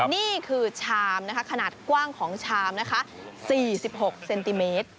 นี่คือชามนะคะขนาดกว้างของชามนะคะ๔๖เซนติเมตร